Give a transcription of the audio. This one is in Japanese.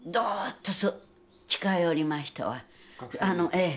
ええ。